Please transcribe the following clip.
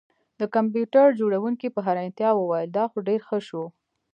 د کمپیوټر جوړونکي په حیرانتیا وویل دا خو ډیر ښه شو